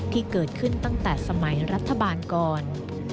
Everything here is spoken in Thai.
ที่เกิดขึ้นตั้งแต่สมัยรัฐบาลก่อน